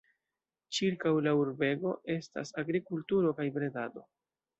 Ĉirkaŭ la urbego estas agrikulturo kaj bredado.